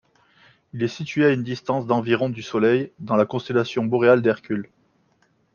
Il est situé à une distance d'environ du Soleil, dans la constellation boréale d'Hercule.